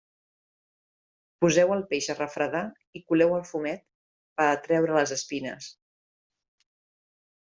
Poseu el peix a refredar i coleu el fumet per a treure les espines.